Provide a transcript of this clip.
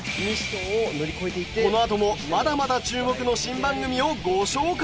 このあともまだまだ注目の新番組をご紹介！